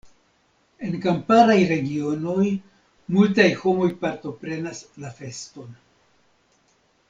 En kamparaj regionoj multaj homoj partoprenas la feston.